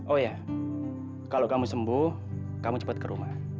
oh ya kalau kamu sembuh kamu cepat ke rumah